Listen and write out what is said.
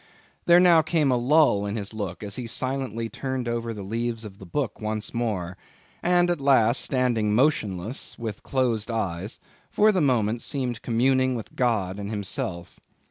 There now came a lull in his look, as he silently turned over the leaves of the Book once more; and, at last, standing motionless, with closed eyes, for the moment, seemed communing with God and himself.